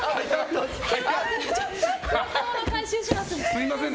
すみません。